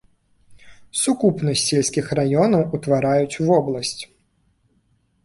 Сукупнасць сельскіх раёнаў утвараюць вобласць.